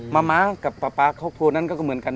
มะม้ากับป๊าป๊าครอบครัวนั้นก็เหมือนกัน